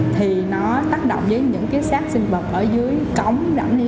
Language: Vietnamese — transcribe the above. thì nó tác động với những cái xác sinh vật ở dưới cống rảnh